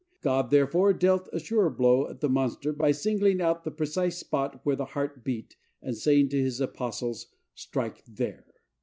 God, therefore, dealt a surer blow at the monster, by singling out the precise spot where his heart beat, and saying to his apostles, "Strike there!"